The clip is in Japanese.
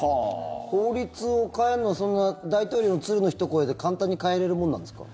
法律を変えるのは大統領の鶴のひと声で簡単に変えられるものなんですか？